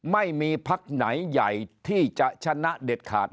ไม่มีพักไหนใหญ่ที่จะชนะเด็ดขาด